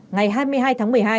ngày hai mươi hai tháng một mươi hai